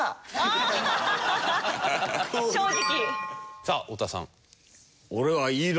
さあ太田さん。